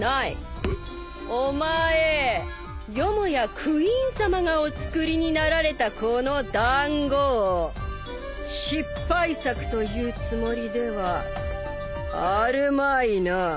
お前よもやクイーンさまがお作りになられたこのだんごを失敗作というつもりではあるまいな？